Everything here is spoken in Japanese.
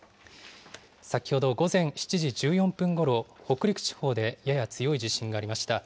先ほど午前７時１４分ごろ、北陸地方でやや強い地震がありました。